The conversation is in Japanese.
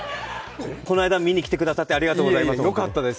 この間、見に来てくださってありがとうございました。